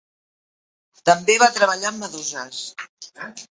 També va treballar amb meduses.